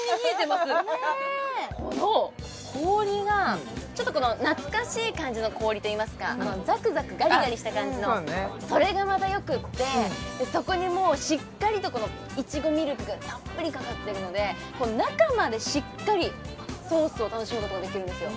この氷がちょっと懐かしい感じの氷といいますかザクザクガリガリした感じのそれがまたよくってそこにもうしっかりとこのイチゴミルクたっぷりかかってるのでこの中までしっかりソースを楽しむことができるんですよ